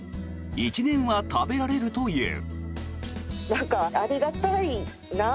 １年は食べられるという。